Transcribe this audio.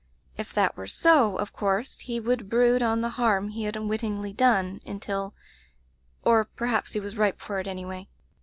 If that were so, of course he would brood on the harm he had unwittingly done, until — or perhaps he was ripe for it anyway.